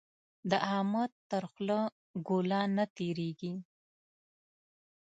د احمد تر خوله ګوله نه تېرېږي.